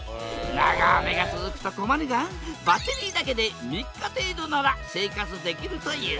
長雨が続くと困るがバッテリーだけで３日程度なら生活できるという。